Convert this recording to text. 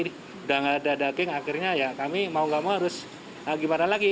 sudah tidak ada daging akhirnya kami mau tidak mau harus gimana lagi